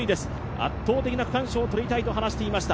圧倒的な区間賞を取りたいと思っていました。